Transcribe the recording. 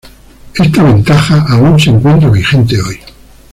Esta ventaja aún se encuentra vigente hoy.